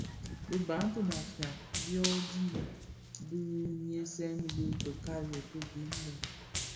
Bi Bantu (Bafia) byodhi bi nyisen bi fikani Greenberg,